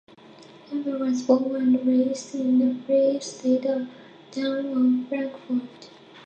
Lombard was born and raised in the Free State town of Frankfort.